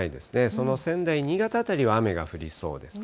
その仙台、新潟辺りは雨が降りそうですが。